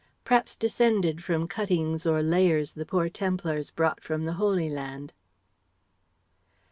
P'raps descended from cuttings or layers the poor Templars brought from the Holy Land."